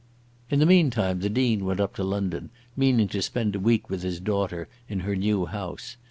In the meantime the Dean went up to London, meaning to spend a week with his daughter in her new house.